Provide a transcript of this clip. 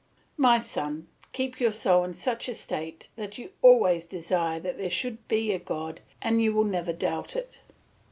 "My son, keep your soul in such a state that you always desire that there should be a God and you will never doubt it.